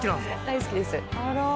大好きです。